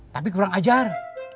tapi kurang ajar